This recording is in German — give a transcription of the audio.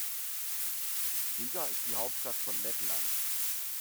Riga ist die Hauptstadt von Lettland.